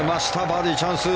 バーディーチャンス！